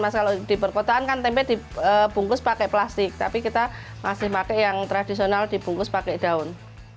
mas kalau di perkotaan kan tempe dibungkus pakai plastik tapi kita masih pakai yang tradisional dibungkus pakai daun